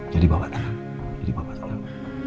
jadi bapak tenang jadi bapak tenang